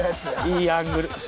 いいアングル。